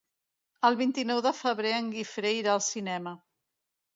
El vint-i-nou de febrer en Guifré irà al cinema.